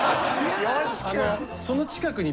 その近くに。